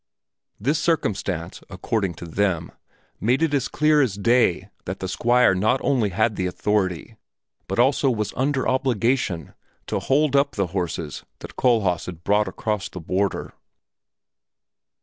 This circumstance, according to them, made it as clear as day that the Squire not only had the authority, but also was under obligation, to hold up the horses that Kohlhaas had brought across the border.